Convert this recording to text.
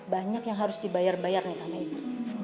banyak yang harus dibayar bayarnya sama ibu